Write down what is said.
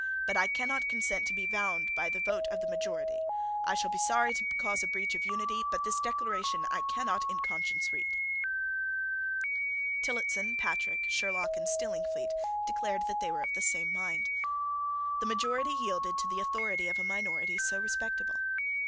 But I cannot consent to be bound by the vote of the majority. I shall be sorry to cause a breach of unity. But this Declaration I cannot in conscience read." Tillotson, Patrick, Sherlock, and Stillingfleet declared that they were of the same mind. The majority yielded to the authority of a minority so respectable.